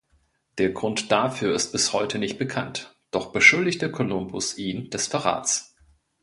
Der Grund dafür ist bis heute nicht bekannt, doch beschuldigte Kolumbus ihn des Verrats.